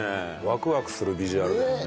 ワクワクするビジュアルだね